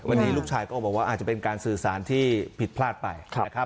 วันนี้ลูกชายก็บอกว่าอาจจะเป็นการสื่อสารที่ผิดพลาดไปนะครับ